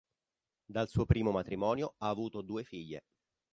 Dal suo primo matrimonio ha avuto due figlie.